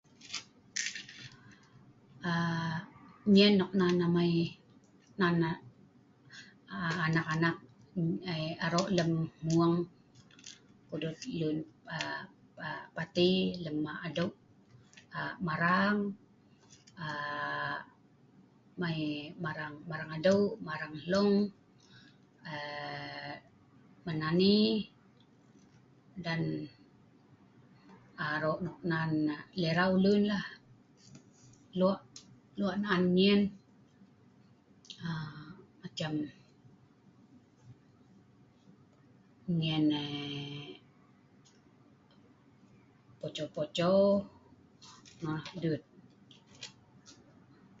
Nyen nok nan amai anak-anak lem mung nga nan parti lem mak adeu , marang, marang adeu, marang hlong, menani, aro anok nan lirau lun, lok naan nyen, poco-poco nonoh dut